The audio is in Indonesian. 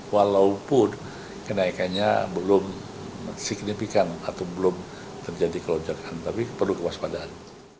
walaupun kenaikannya belum signifikan atau belum terjadi kelonjakan tapi perlu kewaspadaan